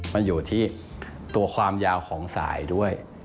มันอยู่ที่ตัวความยาวของสายด้วย